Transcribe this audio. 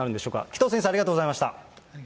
紀藤先生、ありがとうございました。